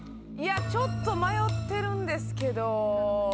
ちょっと迷ってるんですけど。